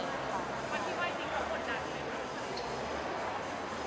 มีคนที่ไว้ที่จะกดดันไหม